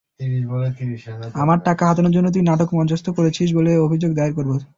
আমার টাকা হাতানোর জন্য তুই নাটক মঞ্চস্থ করছিস বলে অভিযোগ দায়ের করবো।